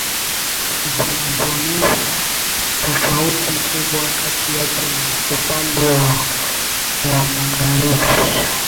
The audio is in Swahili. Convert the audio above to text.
Zinazoonyesha tofauti kubwa kati yake na upande wa magharibi